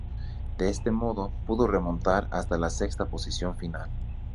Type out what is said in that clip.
De este modo, pudo remontar hasta la sexta posición final.